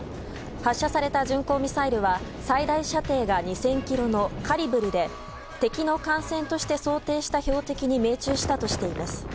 発射された巡航ミサイルは最大射程が２０００ｋｍのカリブルで敵の艦船として想定した標的に命中したとしています。